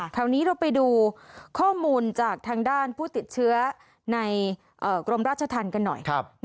คราวนี้เราไปดูข้อมูลจากทางด้านผู้ติดเชื้อในกรมราชธรรมกันหน่อย